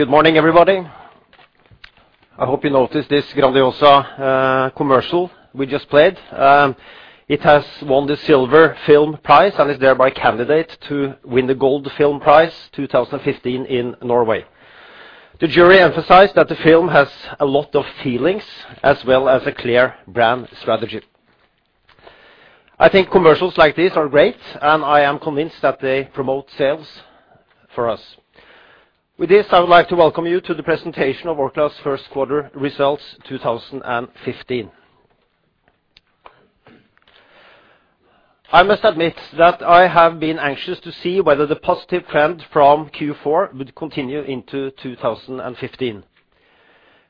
Good morning, everybody. I hope you noticed this Grandiosa commercial we just played. It has won the Silver Film Prize and is thereby a candidate to win the Gold Film Prize 2015 in Norway. The jury emphasized that the film has a lot of feelings as well as a clear brand strategy. I think commercials like these are great, and I am convinced that they promote sales for us. With this, I would like to welcome you to the presentation of Orkla's first quarter results 2015. I must admit that I have been anxious to see whether the positive trend from Q4 would continue into 2015.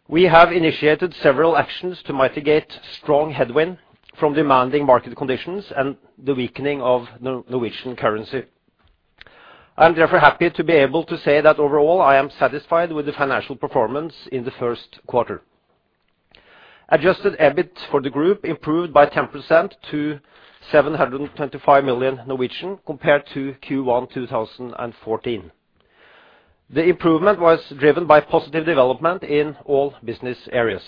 We have initiated several actions to mitigate strong headwind from demanding market conditions and the weakening of the Norwegian currency. I am therefore happy to be able to say that overall, I am satisfied with the financial performance in the first quarter. Adjusted EBIT for the group improved by 10% to 725 million compared to Q1 2014. The improvement was driven by positive development in all business areas.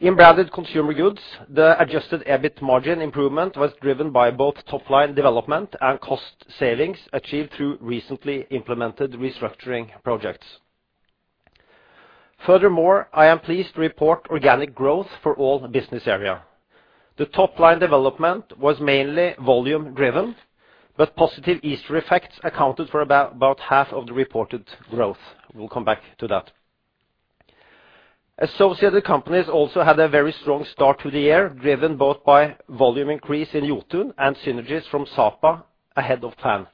In Branded Consumer Goods, the adjusted EBIT margin improvement was driven by both top-line development and cost savings achieved through recently implemented restructuring projects. Furthermore, I am pleased to report organic growth for all business areas. The top-line development was mainly volume driven, but positive Easter effects accounted for about half of the reported growth. We'll come back to that. Associated companies also had a very strong start to the year, driven both by volume increase in Jotun and synergies from Sapa ahead of time.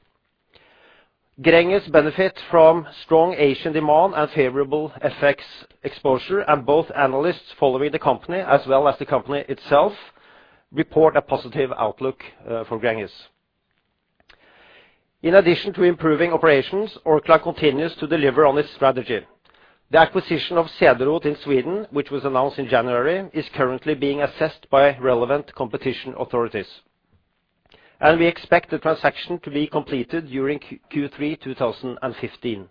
Gränges benefits from strong Asian demand and favorable FX exposure, and both analysts following the company as well as the company itself report a positive outlook for Gränges. In addition to improving operations, Orkla continues to deliver on its strategy. The acquisition of Cederroth in Sweden, which was announced in January, is currently being assessed by relevant competition authorities. We expect the transaction to be completed during Q3 2015.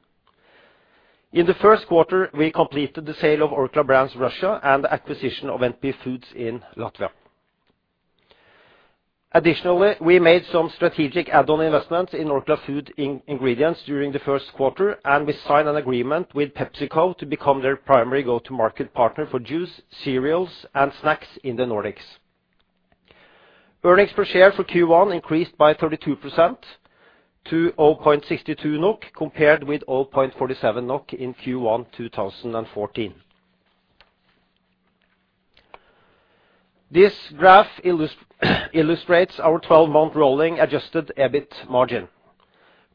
In the first quarter, we completed the sale of Orkla Brands Russia and the acquisition of NP Foods in Latvia. Additionally, we made some strategic add-on investments in Orkla Food Ingredients during the first quarter, and we signed an agreement with PepsiCo to become their primary go-to-market partner for juice, cereals, and snacks in the Nordics. Earnings per share for Q1 increased by 32% to 0.62 NOK, compared with 0.47 NOK in Q1 2014. This graph illustrates our 12-month rolling adjusted EBIT margin.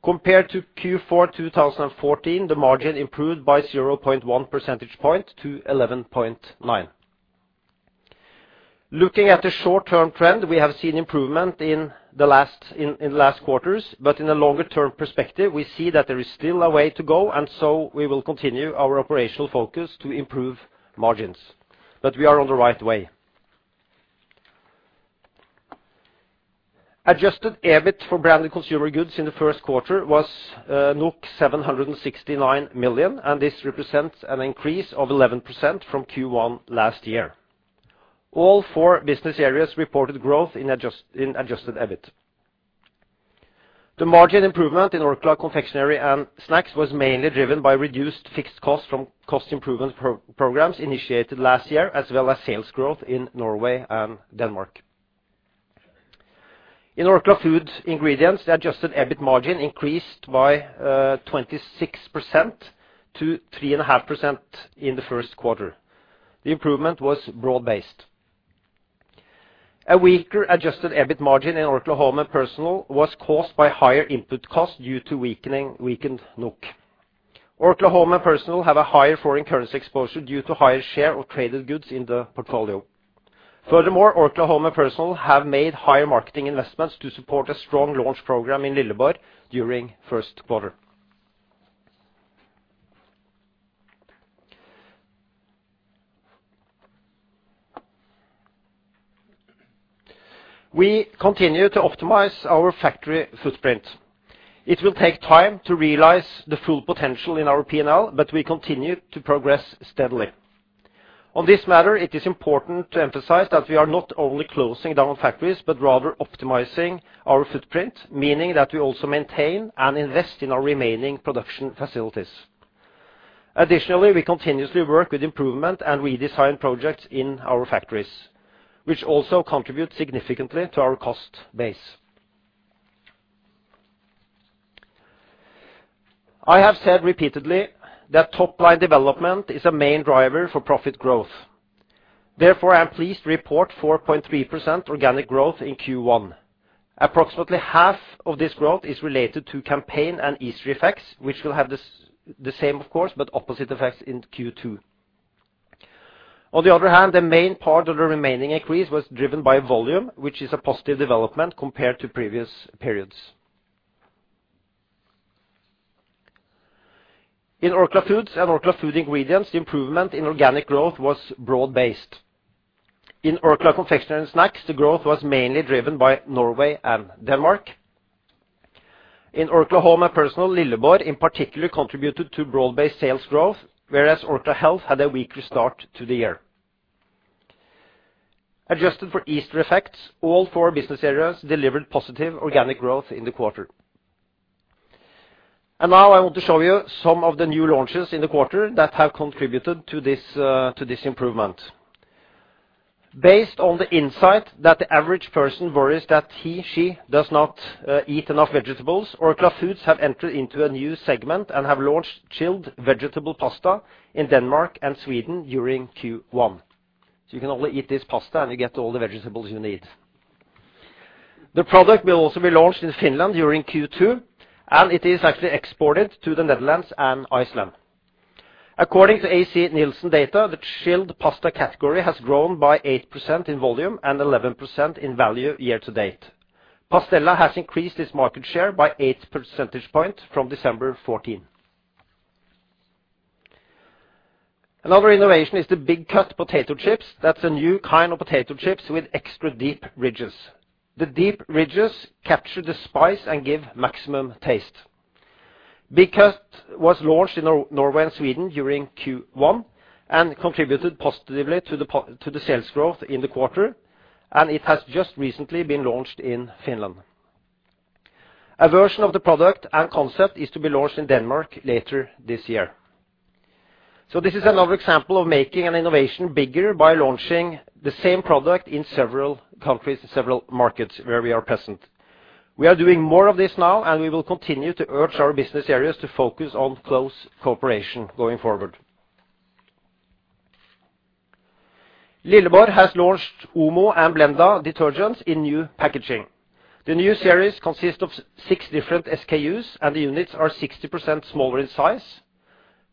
Compared to Q4 2014, the margin improved by 0.1 percentage point to 11.9. Looking at the short-term trend, we have seen improvement in the last quarters, but in a longer-term perspective, we see that there is still a way to go, and so we will continue our operational focus to improve margins. But we are on the right way. Adjusted EBIT for Branded Consumer Goods in the first quarter was 769 million, and this represents an increase of 11% from Q1 last year. All four business areas reported growth in adjusted EBIT. The margin improvement in Orkla Confectionery & Snacks was mainly driven by reduced fixed costs from cost improvement programs initiated last year, as well as sales growth in Norway and Denmark. In Orkla Food Ingredients, the adjusted EBIT margin increased by 26% to 3.5% in the first quarter. The improvement was broad-based. A weaker adjusted EBIT margin in Orkla Home & Personal was caused by higher input costs due to weakened NOK. Orkla Home & Personal have a higher foreign currency exposure due to higher share of traded goods in the portfolio. Furthermore, Orkla Home & Personal have made higher marketing investments to support a strong launch program in Lilleborg during the first quarter. We continue to optimize our factory footprint. It will take time to realize the full potential in our P&L, but we continue to progress steadily. On this matter, it is important to emphasize that we are not only closing down factories, but rather optimizing our footprint, meaning that we also maintain and invest in our remaining production facilities. Additionally, we continuously work with improvement and redesign projects in our factories, which also contribute significantly to our cost base. I have said repeatedly that top-line development is a main driver for profit growth. Therefore, I am pleased to report 4.3% organic growth in Q1. Approximately half of this growth is related to campaign and Easter effects, which will have the same, of course, but opposite effects in Q2. On the other hand, the main part of the remaining increase was driven by volume, which is a positive development compared to previous periods. In Orkla Foods and Orkla Food Ingredients, the improvement in organic growth was broad-based. In Orkla Confectionery & Snacks, the growth was mainly driven by Norway and Denmark. In Orkla Home & Personal, Lilleborg in particular contributed to broad-based sales growth, whereas Orkla Health had a weaker start to the year. Adjusted for Easter effects, all four business areas delivered positive organic growth in the quarter. Now I want to show you some of the new launches in the quarter that have contributed to this improvement. Based on the insight that the average person worries that he/she does not eat enough vegetables, Orkla Foods have entered into a new segment and have launched chilled vegetable pasta in Denmark and Sweden during Q1. You can only eat this pasta, and you get all the vegetables you need. The product will also be launched in Finland during Q2, and it is actually exported to the Netherlands and Iceland. According to ACNielsen data, the chilled pasta category has grown by 8% in volume and 11% in value year to date. Pastella has increased its market share by eight percentage points from December '14. Another innovation is the Big Cut potato chips. That's a new kind of potato chips with extra deep ridges. The deep ridges capture the spice and give maximum taste. Big Cut was launched in Norway and Sweden during Q1 and contributed positively to the sales growth in the quarter, and it has just recently been launched in Finland. A version of the product and concept is to be launched in Denmark later this year. This is another example of making an innovation bigger by launching the same product in several countries, several markets where we are present. We are doing more of this now, and we will continue to urge our business areas to focus on close cooperation going forward. Lilleborg has launched Omo and Blenda detergents in new packaging. The new series consists of six different SKUs, and the units are 60% smaller in size,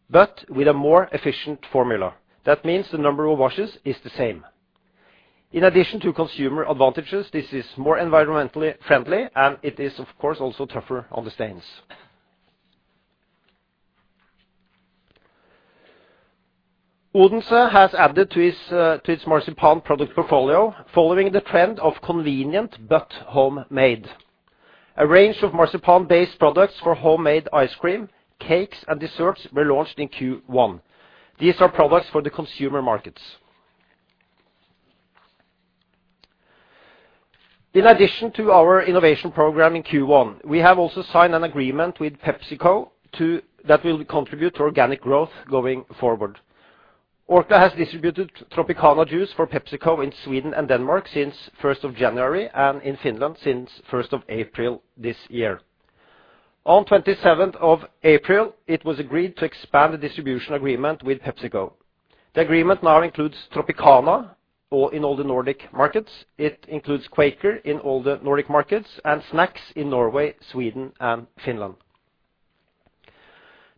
but with a more efficient formula. That means the number of washes is the same. In addition to consumer advantages, this is more environmentally friendly, and it is, of course, also tougher on the stains. Odense has added to its marzipan product portfolio, following the trend of convenient but homemade. A range of marzipan-based products for homemade ice cream, cakes, and desserts were launched in Q1. These are products for the consumer markets. In addition to our innovation program in Q1, we have also signed an agreement with PepsiCo that will contribute to organic growth going forward. Orkla has distributed Tropicana juice for PepsiCo in Sweden and Denmark since 1st of January and in Finland since 1st of April this year. On 27th of April, it was agreed to expand the distribution agreement with PepsiCo. The agreement now includes Tropicana in all the Nordic markets. It includes Quaker in all the Nordic markets and snacks in Norway, Sweden, and Finland.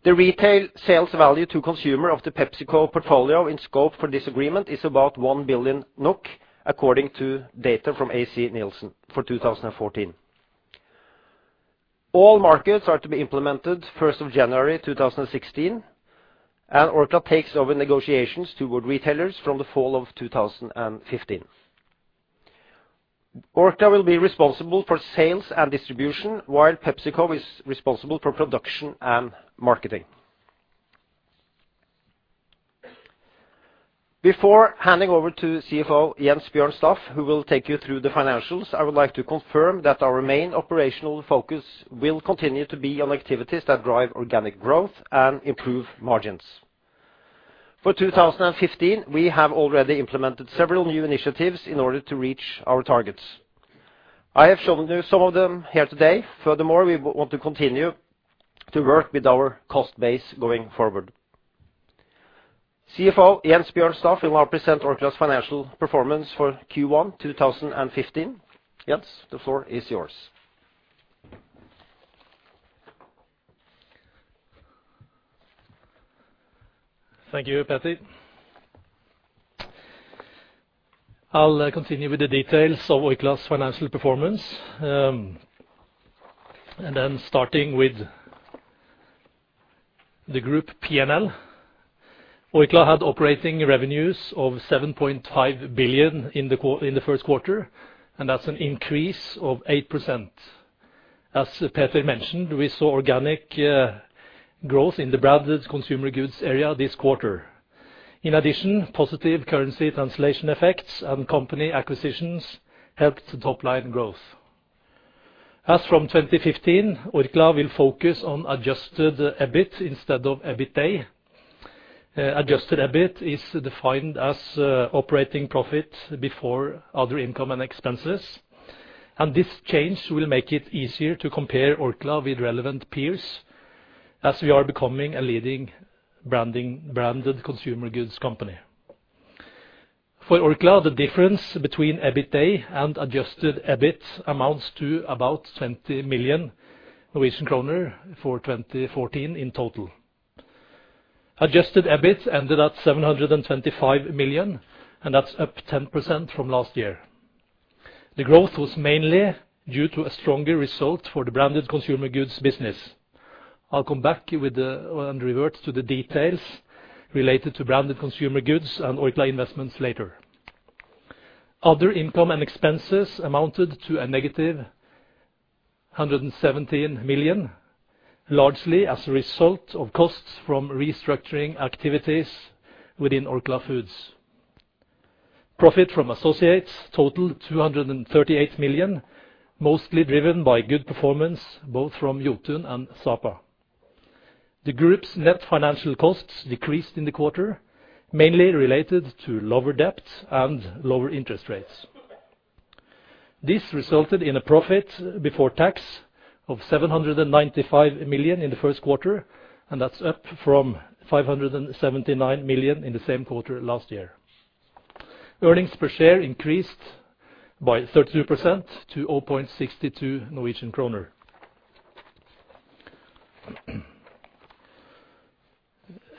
The retail sales value to consumer of the PepsiCo portfolio in scope for this agreement is about 1 billion NOK, according to data from ACNielsen for 2014. All markets are to be implemented 1st of January 2016, and Orkla takes over negotiations toward retailers from the fall of 2015. Orkla will be responsible for sales and distribution, while PepsiCo is responsible for production and marketing. Before handing over to CFO Jens Bjørn Staff, who will take you through the financials, I would like to confirm that our main operational focus will continue to be on activities that drive organic growth and improve margins. For 2015, we have already implemented several new initiatives in order to reach our targets. I have shown you some of them here today. Furthermore, we want to continue to work with our cost base going forward. CFO Jens Bjørn Staff will now present Orkla's financial performance for Q1 2015. Jens, the floor is yours. Thank you, Peter. I'll continue with the details of Orkla's financial performance, and then starting with the group P&L. Orkla had operating revenues of 7.5 billion in the first quarter, and that's an increase of 8%. As Peter mentioned, we saw organic growth in the branded consumer goods area this quarter. In addition, positive currency translation effects and company acquisitions helped top line growth. As from 2015, Orkla will focus on adjusted EBIT instead of EBITA. Adjusted EBIT is defined as operating profit before other income and expenses. This change will make it easier to compare Orkla with relevant peers as we are becoming a leading branded consumer goods company. For Orkla, the difference between EBITA and adjusted EBIT amounts to about 20 million Norwegian kroner for 2014 in total. Adjusted EBIT ended at 725 million, and that's up 10% from last year. The growth was mainly due to a stronger result for the Branded Consumer Goods business. I'll come back and revert to the details related to Branded Consumer Goods and Orkla Investments later. Other income and expenses amounted to a negative 117 million, largely as a result of costs from restructuring activities within Orkla Foods. Profit from associates totaled 238 million, mostly driven by good performance, both from Jotun and Sapa. The group's net financial costs decreased in the quarter, mainly related to lower debt and lower interest rates. This resulted in a profit before tax of 795 million in the first quarter, and that's up from 579 million in the same quarter last year. Earnings per share increased by 32% to NOK 0.62.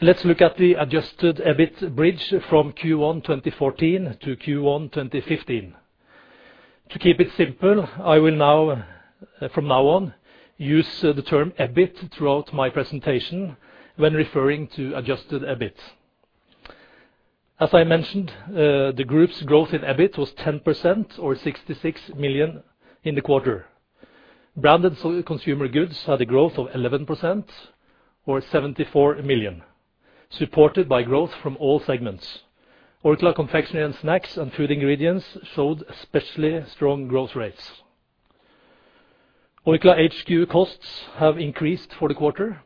Let's look at the adjusted EBIT bridge from Q1 2014 to Q1 2015. To keep it simple, I will from now on, use the term EBIT throughout my presentation when referring to adjusted EBIT. As I mentioned, the group's growth in EBIT was 10% or 66 million in the quarter. Branded Consumer Goods had a growth of 11% or 74 million, supported by growth from all segments. Orkla Confectionery & Snacks and Food Ingredients showed especially strong growth rates. Orkla HQ costs have increased for the quarter.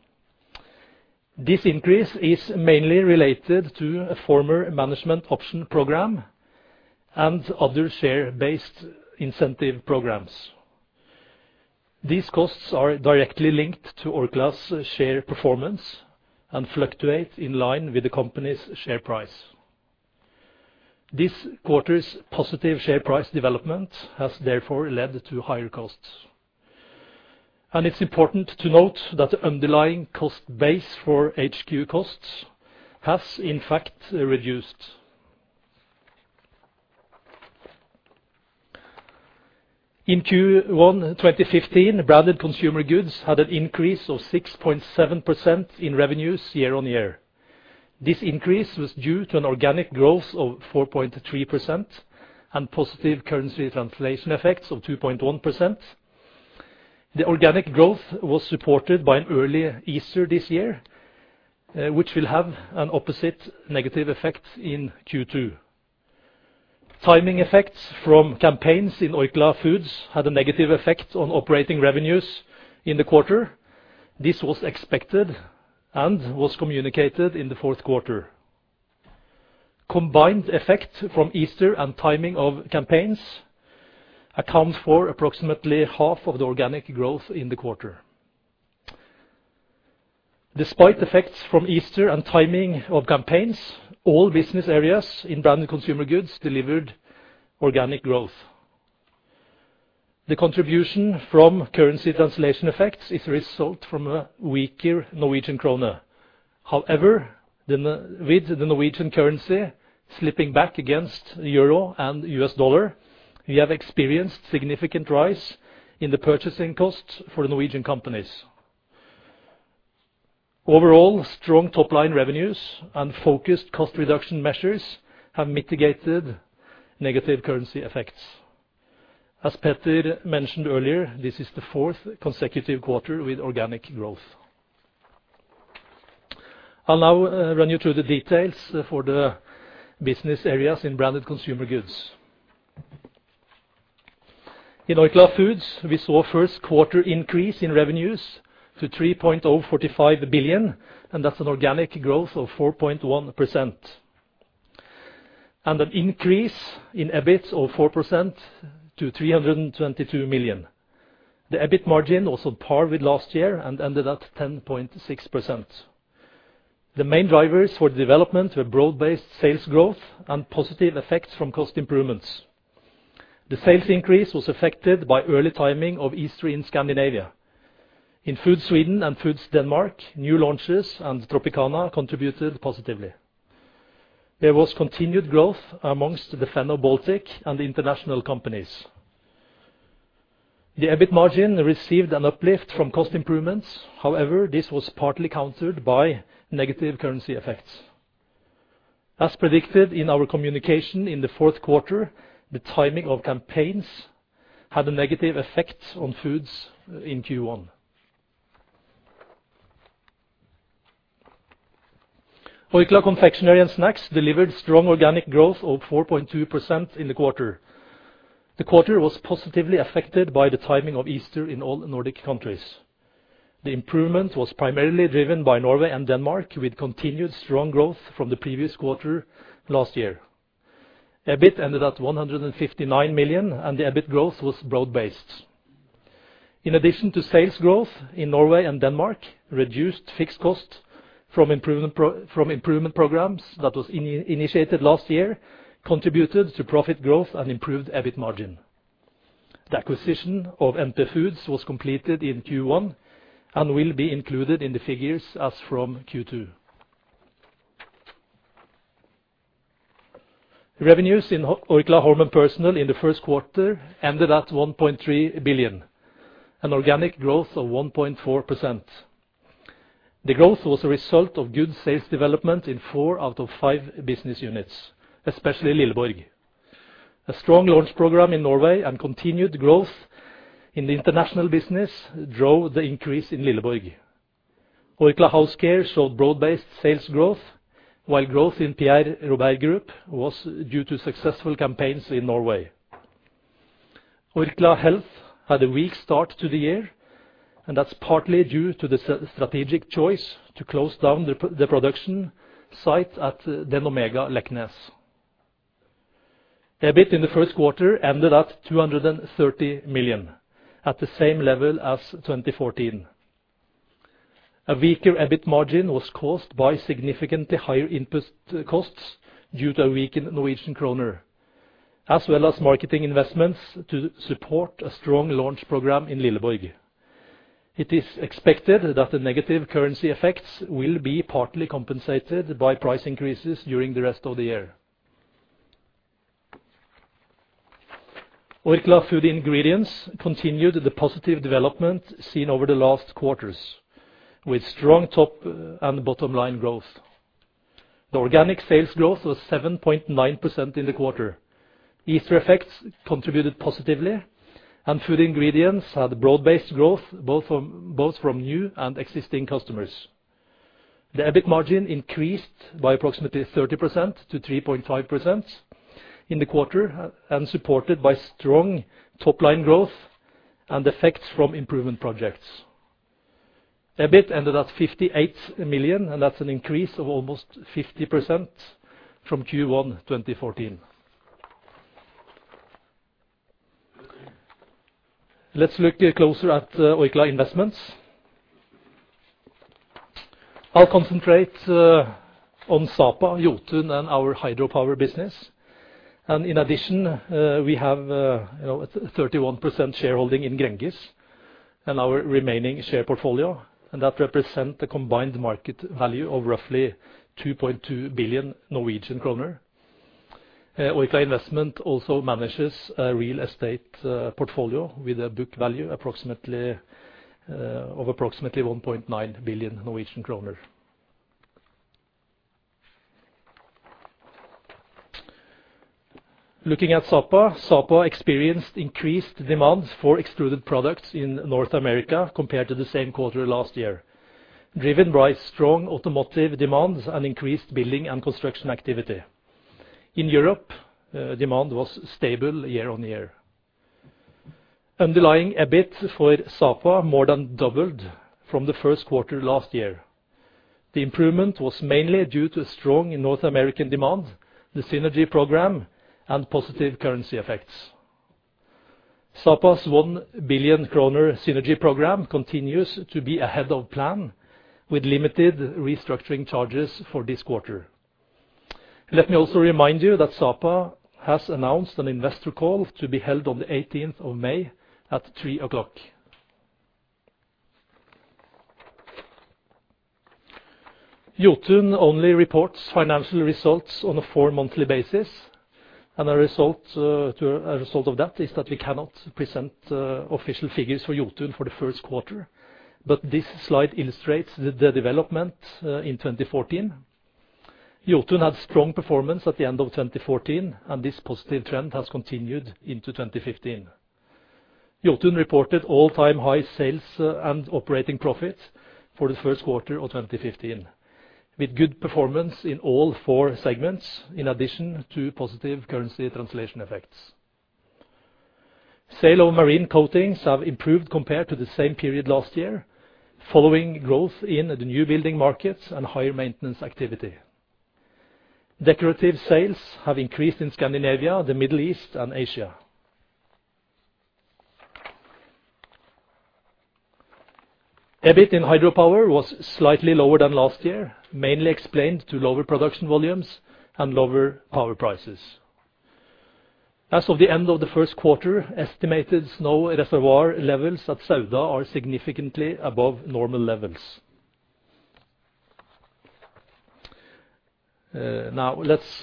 This increase is mainly related to a former management option program and other share-based incentive programs. These costs are directly linked to Orkla's share performance and fluctuate in line with the company's share price. This quarter's positive share price development has therefore led to higher costs. And it's important to note that the underlying cost base for HQ costs has in fact reduced. In Q1 2015, Branded Consumer Goods had an increase of 6.7% in revenues year-on-year. This increase was due to an organic growth of 4.3% and positive currency translation effects of 2.1%. The organic growth was supported by an early Easter this year, which will have an opposite negative effect in Q2. Timing effects from campaigns in Orkla Foods had a negative effect on operating revenues in the quarter. This was expected and was communicated in the fourth quarter. Combined effect from Easter and timing of campaigns account for approximately half of the organic growth in the quarter. Despite effects from Easter and timing of campaigns, all business areas in Branded Consumer Goods delivered organic growth. The contribution from currency translation effects is a result from a weaker Norwegian krone. With the Norwegian currency slipping back against the euro and US dollar, we have experienced significant rise in the purchasing cost for Norwegian companies. Overall, strong top-line revenues and focused cost reduction measures have mitigated negative currency effects. As Petter mentioned earlier, this is the fourth consecutive quarter with organic growth. I'll now run you through the details for the business areas in Branded Consumer Goods. In Orkla Foods, we saw first quarter increase in revenues to 3.045 billion, and that's an organic growth of 4.1%. And an increase in EBIT of 4% to 322 million. The EBIT margin was on par with last year and ended at 10.6%. The main drivers for the development were broad-based sales growth and positive effects from cost improvements. The sales increase was affected by early timing of Easter in Scandinavia. In Food Sweden and Foods Denmark, new launches and Tropicana contributed positively. There was continued growth amongst the Fenno-Baltic and international companies. The EBIT margin received an uplift from cost improvements. However, this was partly countered by negative currency effects. As predicted in our communication in the fourth quarter, the timing of campaigns had a negative effect on Foods in Q1. Orkla Confectionery & Snacks delivered strong organic growth of 4.2% in the quarter. The quarter was positively affected by the timing of Easter in all Nordic countries. The improvement was primarily driven by Norway and Denmark, with continued strong growth from the previous quarter last year. EBIT ended at 159 million, and the EBIT growth was broad based. In addition to sales growth in Norway and Denmark, reduced fixed costs from improvement programs that was initiated last year contributed to profit growth and improved EBIT margin. The acquisition of NP Foods was completed in Q1 and will be included in the figures as from Q2. Revenues in Orkla Home & Personal in the first quarter ended at 1.3 billion, an organic growth of 1.4%. The growth was a result of good sales development in four out of five business units, especially Lilleborg. A strong launch program in Norway and continued growth in the international business drove the increase in Lilleborg. Orkla House Care saw broad-based sales growth, while growth in Pierre Robert Group was due to successful campaigns in Norway. Orkla Health had a weak start to the year, and that's partly due to the strategic choice to close down the production site at Denomega Leknes. EBIT in the first quarter ended at 230 million at the same level as 2014. A weaker EBIT margin was caused by significantly higher input costs due to a weakened Norwegian kroner, as well as marketing investments to support a strong launch program in Lilleborg. It is expected that the negative currency effects will be partly compensated by price increases during the rest of the year. Orkla Food Ingredients continued the positive development seen over the last quarters with strong top and bottom-line growth. The organic sales growth was 7.9% in the quarter. Easter effects contributed positively, and food ingredients had broad-based growth both from new and existing customers. The EBIT margin increased by approximately 30% to 3.5% in the quarter and supported by strong top-line growth and effects from improvement projects. EBIT ended at 58 million, and that's an increase of almost 50% from Q1 2014. Let's look closer at Orkla Investments. I'll concentrate on Sapa, Jotun, and our hydropower business. In addition, we have a 31% shareholding in Gränges and our remaining share portfolio, and that represent the combined market value of roughly 2.2 billion Norwegian kroner. Orkla Investments also manages a real estate portfolio with a book value of approximately NOK 1.9 billion. Looking at Sapa experienced increased demands for extruded products in North America compared to the same quarter last year, driven by strong automotive demands and increased building and construction activity. In Europe, demand was stable year-on-year. Underlying EBIT for Sapa more than doubled from the first quarter last year. The improvement was mainly due to strong North American demand, the synergy program, and positive currency effects. Sapa's 1 billion kroner synergy program continues to be ahead of plan, with limited restructuring charges for this quarter. Let me also remind you that Sapa has announced an investor call to be held on the 18th of May at three o'clock. Jotun only reports financial results on a four-monthly basis, and a result of that is that we cannot present official figures for Jotun for the first quarter. This slide illustrates the development in 2014. Jotun had strong performance at the end of 2014, and this positive trend has continued into 2015. Jotun reported all-time high sales and operating profits for the first quarter of 2015, with good performance in all four segments, in addition to positive currency translation effects. Sales of marine coatings have improved compared to the same period last year, following growth in the new building markets and higher maintenance activity. Decorative sales have increased in Scandinavia, the Middle East, and Asia. EBIT in hydropower was slightly lower than last year, mainly explained by lower production volumes and lower power prices. As of the end of the first quarter, estimated snow reservoir levels at Sauda are significantly above normal levels. Now, let's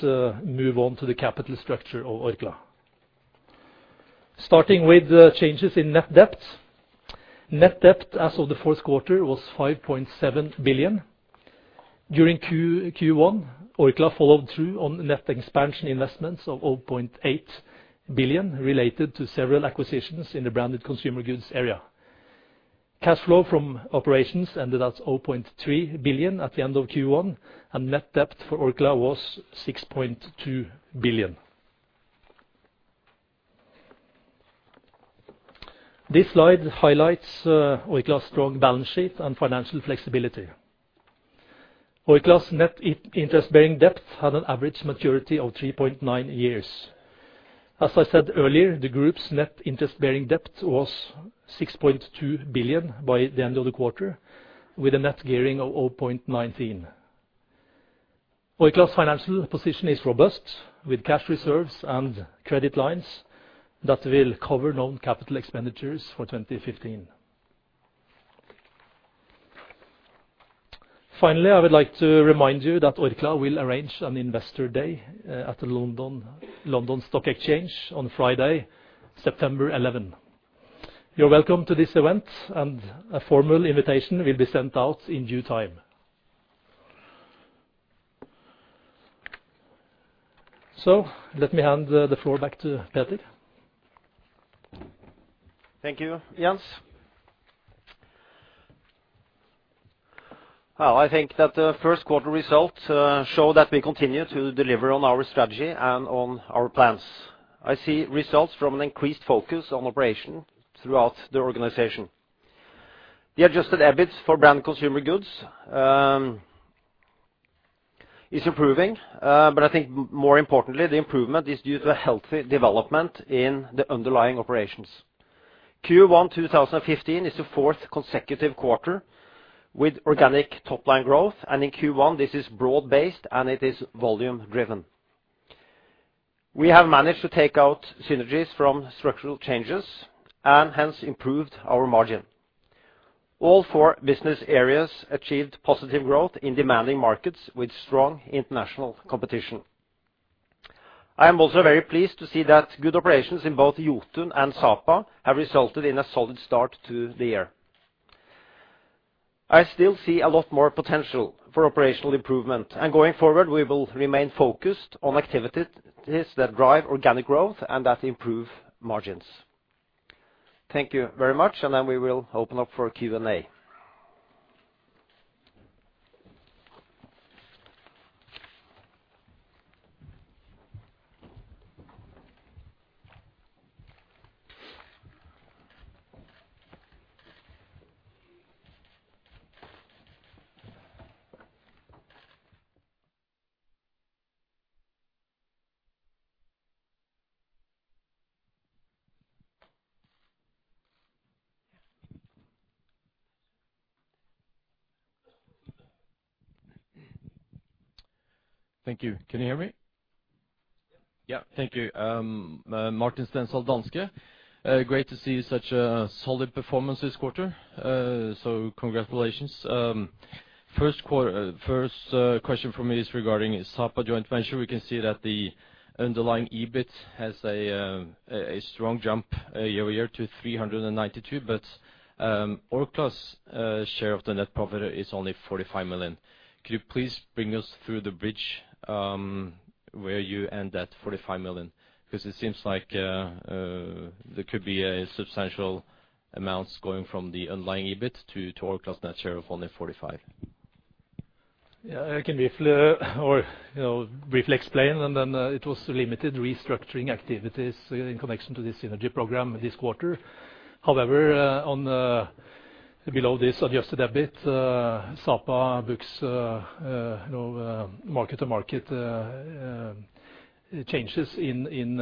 move on to the capital structure of Orkla. Starting with the changes in net debt. Net debt as of the first quarter was 5.7 billion. During Q1, Orkla followed through on net expansion investments of 0.8 billion related to several acquisitions in the branded consumer goods area. Cash flow from operations ended at 0.3 billion at the end of Q1, and net debt for Orkla was 6.2 billion. This slide highlights Orkla's strong balance sheet and financial flexibility. Orkla's net interest-bearing debt had an average maturity of 3.9 years. As I said earlier, the group's net interest-bearing debt was 6.2 billion by the end of the quarter, with a net gearing of 0.19. Orkla's financial position is robust, with cash reserves and credit lines that will cover known capital expenditures for 2015. Finally, I would like to remind you that Orkla will arrange an investor day at the London Stock Exchange on Friday, September 11. You're welcome to this event, and a formal invitation will be sent out in due time. Let me hand the floor back to Peter. Thank you, Jens. I think that the first quarter results show that we continue to deliver on our strategy and on our plans. I see results from an increased focus on operation throughout the organization. The adjusted EBIT for Branded Consumer Goods is improving, but I think more importantly, the improvement is due to a healthy development in the underlying operations. Q1 2015 is the fourth consecutive quarter with organic top-line growth, and in Q1, this is broad based, and it is volume driven. We have managed to take out synergies from structural changes and hence improved our margin. All four business areas achieved positive growth in demanding markets with strong international competition. I am also very pleased to see that good operations in both Jotun and Sapa have resulted in a solid start to the year. I still see a lot more potential for operational improvement. Going forward, we will remain focused on activities that drive organic growth and that improve margins. Thank you very much, and then we will open up for Q&A. Thank you. Can you hear me? Yeah. Thank you. Martin Stenshall, Danske. Great to see such a solid performance this quarter, so congratulations. First question from me is regarding Sapa joint venture. We can see that the underlying EBIT has a strong jump year-over-year to 392, but Orkla's share of the net profit is only 45 million. Could you please bring us through the bridge where you end at 45 million? Because it seems like there could be substantial amounts going from the underlying EBIT to Orkla's net share of only 45. Yeah, I can briefly explain. It was limited restructuring activities in connection to this synergy program this quarter. However, below this adjusted EBIT, Sapa books mark-to-market changes in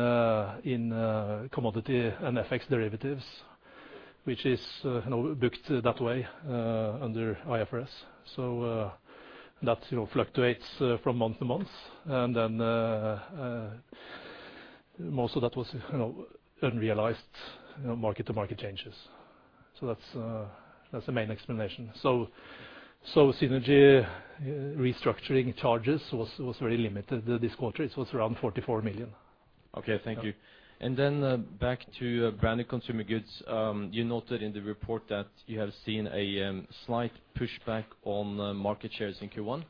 commodity and FX derivatives, which is booked that way under IFRS. That fluctuates from month to month. Most of that was unrealized mark-to-market changes. That's the main explanation. Synergy restructuring charges was very limited this quarter. It was around 44 million. Okay. Thank you. Back to Branded Consumer Goods. You noted in the report that you have seen a slight pushback on market shares in Q1.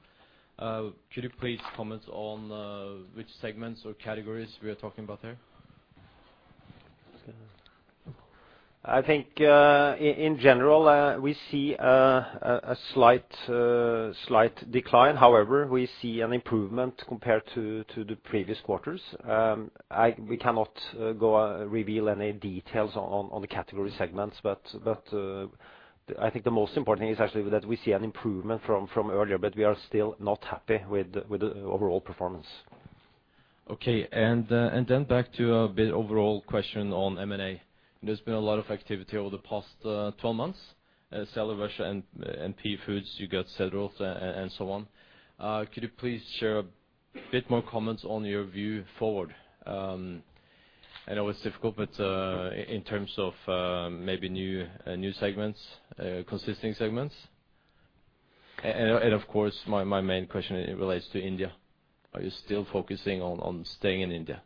Could you please comment on which segments or categories we are talking about there? I think, in general, we see a slight decline. However, we see an improvement compared to the previous quarters. We cannot go reveal any details on the category segments, but I think the most important thing is actually that we see an improvement from earlier, but we are still not happy with the overall performance. Then back to a bit overall question on M&A. There's been a lot of activity over the past 12 months. Sell Russia and NP Foods, you got Cederroth and so on. Could you please share a bit more comments on your view forward? I know it's difficult, but in terms of maybe new segments, consisting segments. Of course, my main question relates to India. Are you still focusing on staying in India?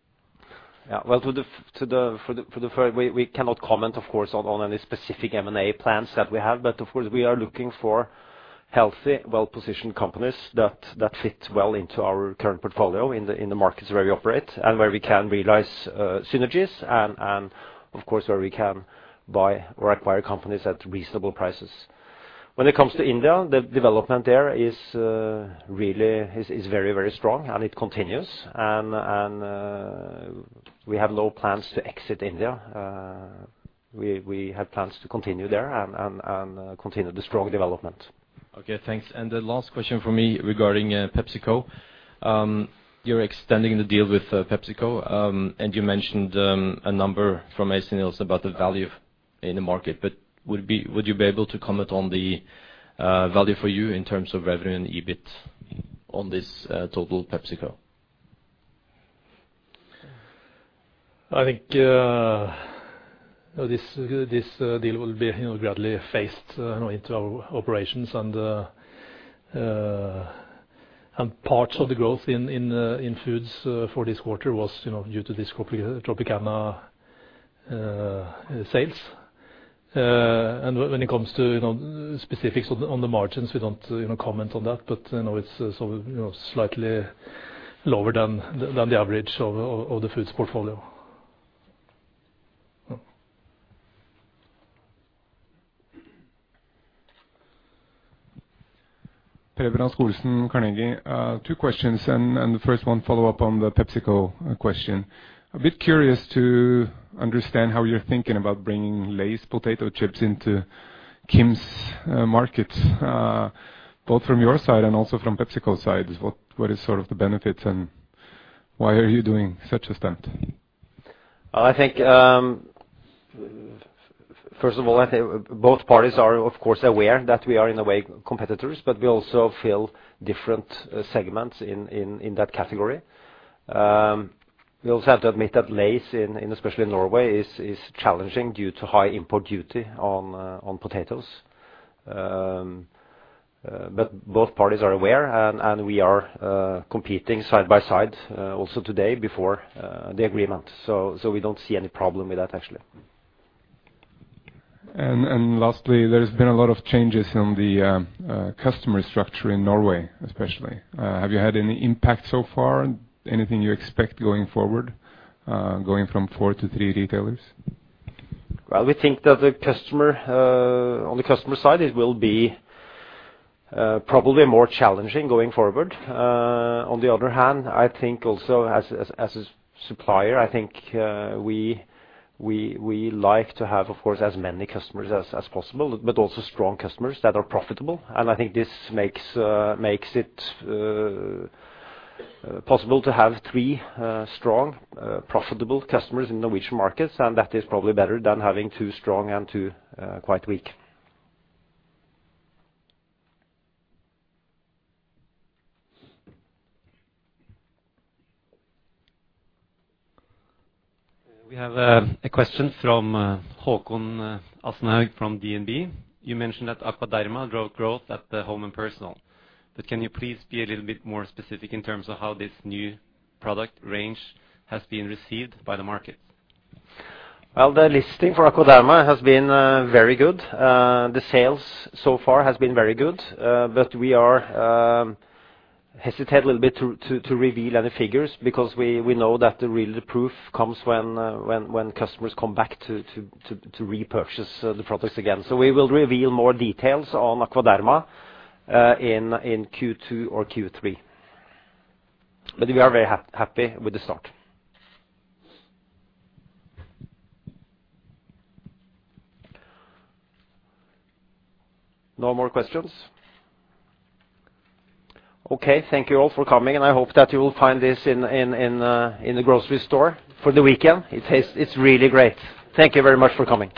We cannot comment, of course, on any specific M&A plans that we have. Of course, we are looking for healthy, well-positioned companies that fit well into our current portfolio in the markets where we operate and where we can realize synergies and of course, where we can buy or acquire companies at reasonable prices. When it comes to India, the development there is really very strong, and it continues. We have no plans to exit India. We have plans to continue there and continue the strong development. Okay, thanks. The last question from me regarding PepsiCo. You're extending the deal with PepsiCo. You mentioned a number from Espen also about the value in the market. Would you be able to comment on the value for you in terms of revenue and EBIT on this total PepsiCo? I think this deal will be gradually phased into our operations and parts of the growth in foods for this quarter was due to this Tropicana sales. When it comes to specifics on the margins, we don't comment on that, but it's slightly lower than the average of the foods portfolio. Per Brand-Olsen, Carnegie. Two questions and the first one follow up on the PepsiCo question. A bit curious to understand how you're thinking about bringing Lay's potato chips into KiMs markets, both from your side and also from PepsiCo side. What is sort of the benefit and why are you doing such a stunt? First of all, I think both parties are, of course, aware that we are in a way competitors, but we also fill different segments in that category. We also have to admit that Lay's, especially in Norway, is challenging due to high import duty on potatoes. Both parties are aware, and we are competing side by side also today before the agreement. We don't see any problem with that, actually. Lastly, there's been a lot of changes in the customer structure in Norway, especially. Have you had any impact so far? Anything you expect going forward going from four to three retailers? On the customer side, it will be probably more challenging going forward. On the other hand, I think also as a supplier, I think we like to have, of course, as many customers as possible, but also strong customers that are profitable. I think this makes it possible to have three strong, profitable customers in Norwegian markets, and that is probably better than having two strong and two quite weak. We have a question from Haakon Aschehoug from DNB. You mentioned that AquaDerma drove growth at the Home & Personal, but can you please be a little bit more specific in terms of how this new product range has been received by the market? Well, the listing for AquaDerma has been very good. The sales so far has been very good. we hesitate a little bit to reveal any figures because we know that really the proof comes when customers come back to repurchase the products again. we will reveal more details on AquaDerma in Q2 or Q3. we are very happy with the start. No more questions? Okay, thank you all for coming, and I hope that you will find this in the grocery store for the weekend. It tastes, it's really great. Thank you very much for coming.